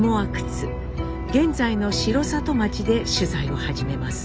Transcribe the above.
現在の城里町で取材を始めます。